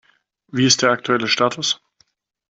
Wie ist der aktuelle Status?